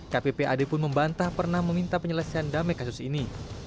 kppad pun membantah pernah meminta penyelesaian damai kasus ini